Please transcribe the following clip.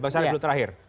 bang syarif dulu terakhir